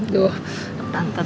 tante temang dada aja